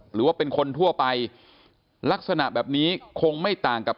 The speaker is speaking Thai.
หรือว่าเป็นคนทั่วไปลักษณะแบบนี้คงไม่ต่างกับ